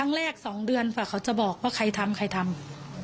ครั้งแรกสองเดือนแหละเขาจะบอกว่าใครทำใครทำ